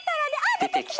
出てきた！